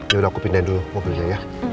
yaudah aku pindahin dulu mobilnya ya